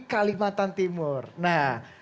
kalimantan timur nah